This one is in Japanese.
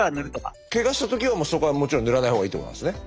けがした時はそこはもちろん塗らない方がいいってことなんですね。